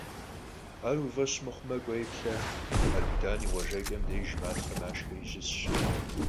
Ар уи фӀэщ мыхъумэ, кӀуэи, плъэ: Аргудан и къуажэкӀэм деж матхъэ-машхэри щысщ.